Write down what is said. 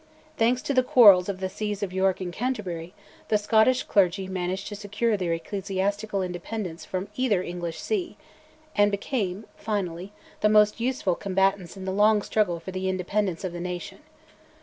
Thanks to the quarrels of the sees of York and Canterbury, the Scottish clergy managed to secure their ecclesiastical independence from either English see; and became, finally, the most useful combatants in the long struggle for the independence of the nation.